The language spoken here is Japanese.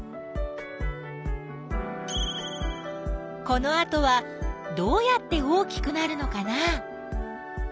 このあとはどうやって大きくなるのかな？